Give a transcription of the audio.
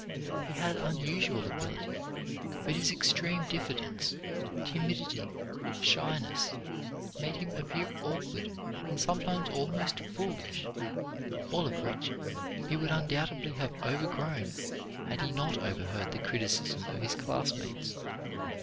He had unusual ability, but his extreme diffidence, timidity, shyness, made him appear awkward and sometimes almost foolish, all of which he would undoubtedly have overgrown, had he not overheard the criticism of his classmates.